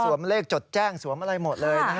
สวมเลขจดแจ้งสวมอะไรหมดเลย